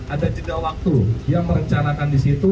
ada jenggak waktu dia merencanakan di situ